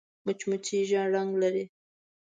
مچمچۍ ژیړ رنګ لري